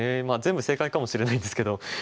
まあ全部正解かもしれないんですけど。